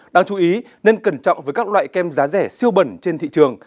đáng chú ý nên cẩn trọng với các loại kem giá rẻ siêu bẩn trên thị trường